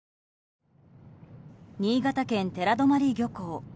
新潟県寺泊漁港。